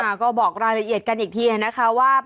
ค่ะก็บอกรายละเอียดกันอีกทีนะคะว่า